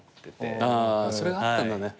それがあったんだね。